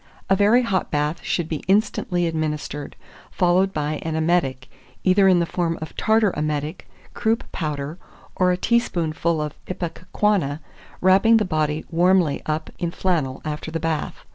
A very hot bath should be instantly administered, followed by an emetic, either in the form of tartar emetic, croup powder, or a teaspoonful of ipecacuanha, wrapping the body warmly up in flannel after the bath.